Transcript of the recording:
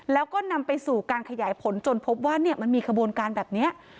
แล้วก็นำไปสู่การขยายผลจนพบว่ามันมีขบวนการแบบนี้